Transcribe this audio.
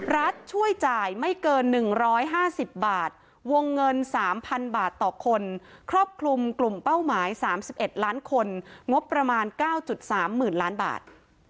ช่วยจ่ายไม่เกิน๑๕๐บาทวงเงิน๓๐๐๐บาทต่อคนครอบคลุมกลุ่มเป้าหมาย๓๑ล้านคนงบประมาณ๙๓๐๐๐ล้านบาท